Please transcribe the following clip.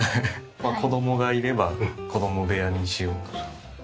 子供がいれば子供部屋にしようかと。